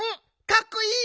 かっこいい！